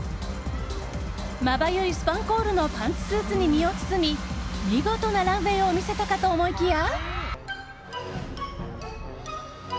まばゆいスパンコールのパンツスーツに身を包み見事なランウェーを見せたかと思いきや。